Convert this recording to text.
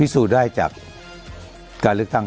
สูจนได้จากการเลือกตั้ง